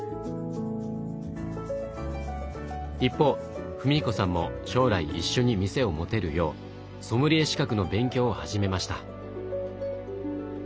一方史彦さんも将来一緒に店を持てるようソムリエ資格の勉強を始めました。